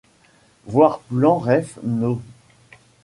Voir plan, ref: No.